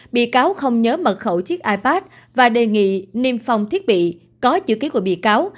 bị cáo không nhớ mật khẩu chiếc ipad và đề nghị niêm phong thiết bị có chữ ký của bị cáo